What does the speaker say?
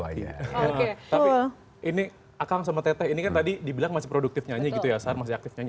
lagi tapi ini akang sama teteh ini kan tadi dibilang masih produktif nyanyi gitu ya sahar masih aktif nyanyi